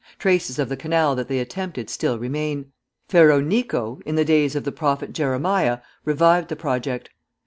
Traces of the canal that they attempted still remain. Pharaoh Necho, in the days of the Prophet Jeremiah, revived the project.